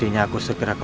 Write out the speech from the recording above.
hanya tuhan yang menolong